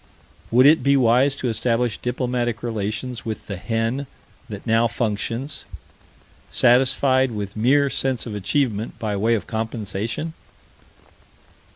Would it be wise to establish diplomatic relation with the hen that now functions, satisfied with mere sense of achievement by way of compensation?